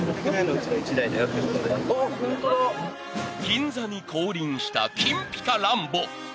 ［銀座に降臨した金ピカランボ］